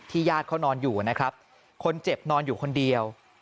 ญาติเขานอนอยู่นะครับคนเจ็บนอนอยู่คนเดียว